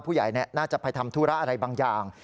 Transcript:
ผู้ใหญ่น่าจะไปทำธุระอะไรบางอย่าง